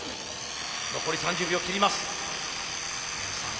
残り３０秒切ります。